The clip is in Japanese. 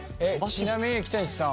ちなみに北西さん